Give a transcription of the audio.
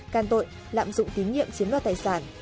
can tội lạm dụng tín nhiệm chiếm đoạt tài sản